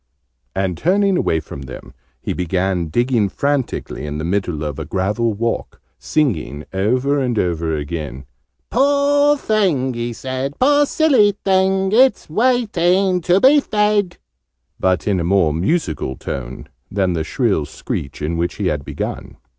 And, turning away from them, he began digging frantically in the middle of a gravel walk, singing, over and over again, "'Poor thing,' he said, 'poor silly thing! It's waiting to be fed!'" but in a more musical tone than the shrill screech in which he had begun.